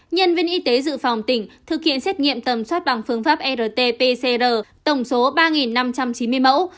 nhân viên y tế dự phòng tỉnh thực hiện xét nghiệm tầm soát bằng phương pháp rt pcr tổng số ba năm trăm chín mươi mẫu